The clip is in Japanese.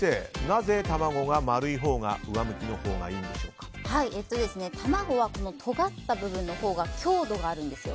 なぜ卵が丸いほうが卵はとがった部分のほうが強度があるんです。